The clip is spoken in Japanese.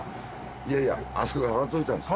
いやいやあそこに飾っておいたんです。